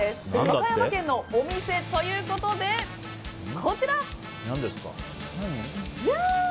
和歌山県のお店ということでじゃん！